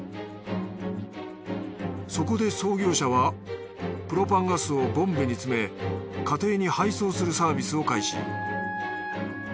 そこで創業者はプロパンガスをボンベにつめ家庭に配送するサービスを開始。